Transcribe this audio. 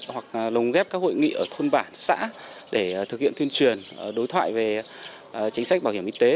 hoặc lồng ghép các hội nghị ở thôn bản xã để thực hiện tuyên truyền đối thoại về chính sách bảo hiểm y tế